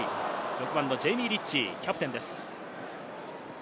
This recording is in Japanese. ジェイミー・リッチー、キャプテンです、６番。